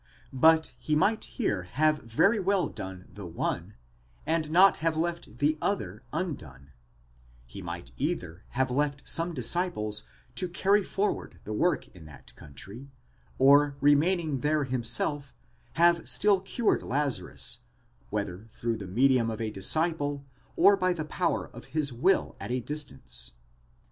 *° But he might here have very well done the one, and not have left the other undone ; he might either have left some disciples to carry forward his work in that country, or remaining there himself, have still cured Lazarus, whether through the medium of a disciple, or by 'the power of his will at a distance.